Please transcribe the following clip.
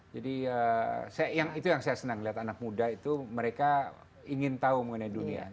jadi itu yang saya senang lihat anak muda itu mereka ingin tahu mengenai dunia